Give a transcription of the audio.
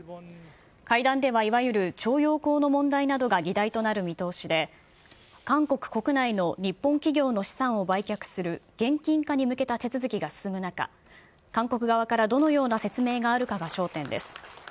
会談ではいわゆる徴用工の問題などが議題となる見通しで、韓国国内の日本企業の資産を売却する現金化に向けた手続きが進む中、韓国側からどのような説明があるかが焦点です。